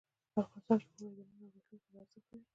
افغانستان کې اوړي د نن او راتلونکي لپاره ارزښت لري.